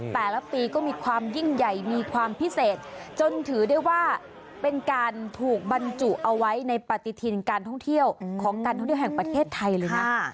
แต่ละปีก็มีความยิ่งใหญ่มีความพิเศษจนถือได้ว่าเป็นการถูกบรรจุเอาไว้ในปฏิทินการท่องเที่ยวของการท่องเที่ยวแห่งประเทศไทยเลยนะ